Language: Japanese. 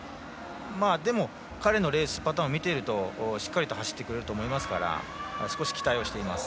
でも、彼のレースパターンを見ているとしっかり走ってくれると思いますから少し期待はしています。